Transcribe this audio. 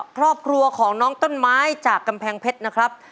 ครอบครัวของน้องต้นไม้จากกำแพงเพชรนะครับ